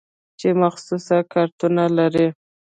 چې مخصوص کارتونه لري.